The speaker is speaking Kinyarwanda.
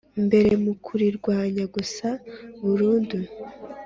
mbere mu kurirwanya Guca burundu